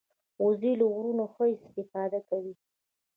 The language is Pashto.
وزې له غرونو ښه استفاده کوي